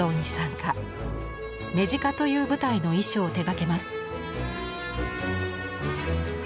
「牝鹿」という舞台の衣装を手がけます。